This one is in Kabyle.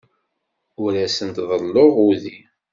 Ur asent-ḍelluɣ udi.